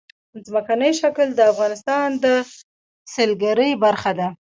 ځمکنی شکل د افغانستان د سیلګرۍ برخه ده.